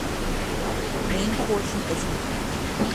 Main portion is in plan.